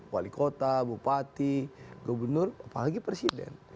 wali kota bupati gubernur apalagi presiden